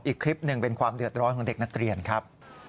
อีกคลิปหนึ่งเป็นความเดือดร้อนของเด็กนักเรียนครับ